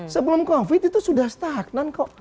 sebelum covid itu sudah stagnan kok